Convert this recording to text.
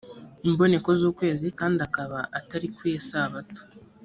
imboneko z’ukwezi kandi akaba atari ku isabato